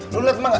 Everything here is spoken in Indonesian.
lo liat mak gak